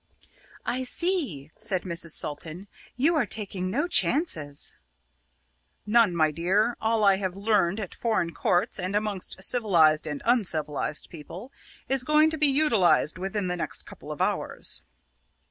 "I see!" said Mrs. Salton. "You are taking no chances." "None, my dear. All I have learned at foreign courts, and amongst civilised and uncivilised people, is going to be utilised within the next couple of hours."